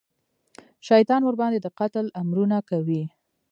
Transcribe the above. شیطان ورباندې د قتل امرونه کوي.